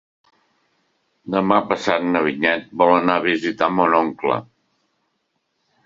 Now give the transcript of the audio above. Demà passat na Vinyet vol anar a visitar mon oncle.